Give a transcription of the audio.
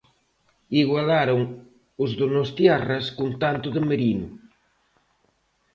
Igualaron os donostiarras cun tanto de Merino.